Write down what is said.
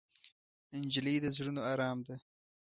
نجلۍ د زړونو ارام ده.